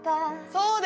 そうです